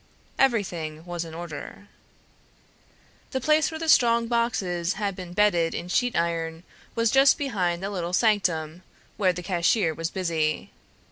Everything was in order. The place where the strong boxes had been bedded in sheet iron was just behind the little sanctum, where the cashier was busy.